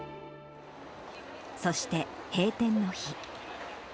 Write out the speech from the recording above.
そして閉店の日。